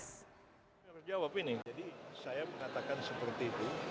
saya menjawab ini saya mengatakan seperti itu